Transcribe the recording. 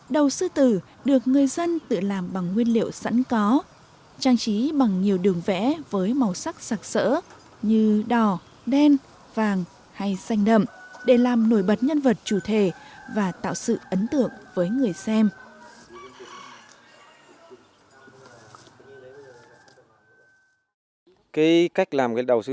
đầu sư tử được người dân tự làm bằng nguyên liệu sẵn có trang trí bằng nhiều đường vẽ với màu sắc sạc sỡ như đỏ đen vàng hay xanh đậm để làm nổi bật nhân vật chủ thể và tạo sự ấn tượng với người xem